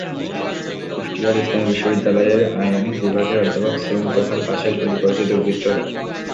কুষ্টিয়ার ইসলামী বিশ্ববিদ্যালয়ের আইন বিভাগের অধ্যাপক সেলিম তোহার বাসায় গুলি করেছে দুর্বৃত্তরা।